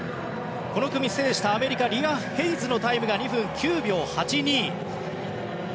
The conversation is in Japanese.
この組、制したアメリカリア・ヘイズのタイムが２分９秒８２です。